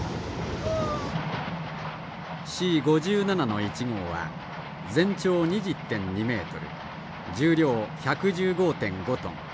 Ｃ５７の１号は全長２０．２メートル重量１１５．５トン